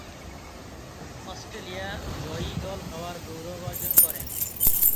Australia জয়ী দল হওয়ার গৌরব অর্জন করেন।